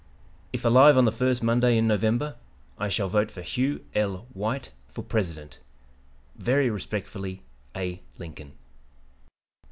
"If alive on the first Monday in November, I shall vote for Hugh L. White for President. "Very respectfully, "A. LINCOLN."